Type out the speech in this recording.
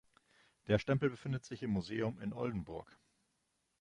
Der Stempel befindet sich im Museum in Oldenburg.